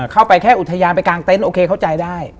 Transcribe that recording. เข้าไปแค่อุทยานไปกลางเต็นต์โอเคเข้าใจได้